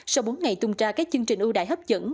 sau bốn ngày tung ra các chương trình ưu đại hấp dẫn